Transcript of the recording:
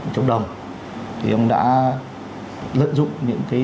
chống đồng thì ông đã lợi dụng những cái